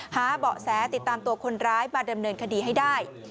หาเบาะแสติดตามตัวคนร้ายมาดำเนินคดีให้ได้